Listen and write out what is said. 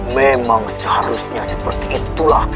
memang seharusnya seperti itulah